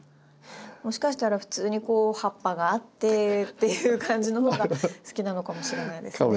もしかしたら普通に葉っぱがあってっていう感じの方が好きなのかもしれないですね。